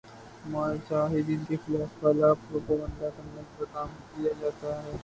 مجاہدین کے خلاف کالا پروپیگنڈا کرنے کا کام لیا جاتا ہے